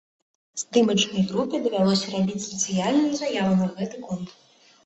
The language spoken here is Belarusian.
Здымачнай групе давялося рабіць спецыяльную заяву на гэты конт.